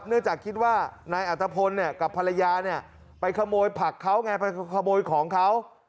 เนื่องจากคิดว่านายอัตภพลกับภรรยาเนี่ยไปขโมยผักเขาไงไปขโมยของเขา